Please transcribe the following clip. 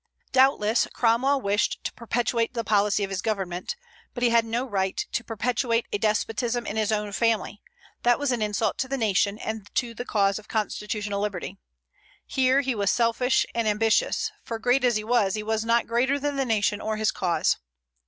Doubtless, Cromwell wished to perpetuate the policy of his government, but he had no right to perpetuate a despotism in his own family: that was an insult to the nation and to the cause of constitutional liberty. Here he was selfish and ambitious, for, great as he was, he was not greater than the nation or his cause.